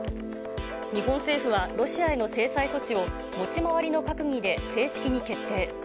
日本政府はロシアへの制裁措置を持ち回りの閣議で正式に決定。